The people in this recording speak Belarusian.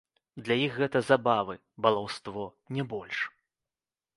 Для іх гэта забавы, балаўство, не больш.